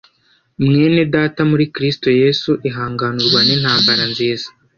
Mwene Data muri Kristo Yesu ihangane urwane intambara nziza